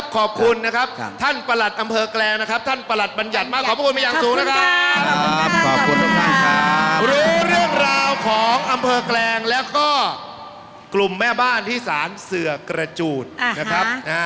กลุ่มแม่บ้านธิสารเสือกระจูดนะครับ